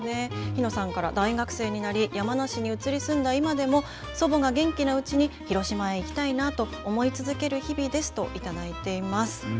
ひのさんから大学生になり山梨に移り住んだ今でも祖母が元気なうちに広島へ行きたいなと思い続ける日々ですと頂いております。